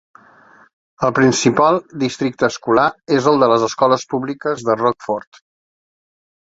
El principal districte escolar és el de les escoles públiques de Rockford.